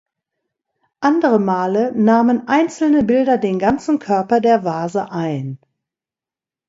Andere Male nahmen einzelne Bilder den ganzen Körper der Vase ein.